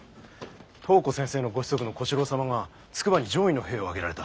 東湖先生のご子息の小四郎様が筑波に攘夷の兵を挙げられた。